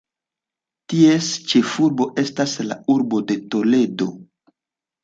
Ties ĉefurbo estas la urbo de Toledo.